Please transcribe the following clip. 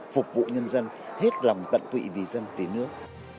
phục vụ nhân dân hết lòng tận tụy vì dân vì nước